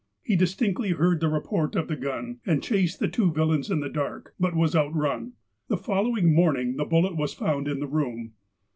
He distinctly heard the report of the guu, and chased the two villains in the dark, but was outrun. The following morning the bullet was found in the room.